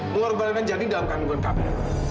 mengorbankan jadi dalam kandungan kami